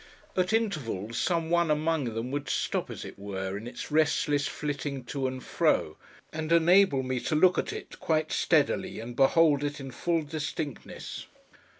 At intervals, some one among them would stop, as it were, in its restless flitting to and fro, and enable me to look at it, quite steadily, and behold it in full distinctness.